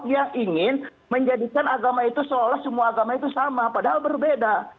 yang ingin menjadikan agama itu seolah semua agama itu sama padahal berbeda